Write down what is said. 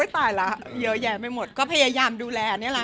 บ่ะครับเยอะแยะไปหมดก็พยายามดูแลนี่ล่ะค่ะ